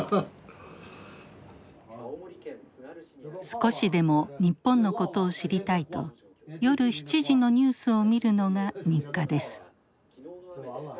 少しでも日本のことを知りたいと夜７時のニュースを見るのが日課です。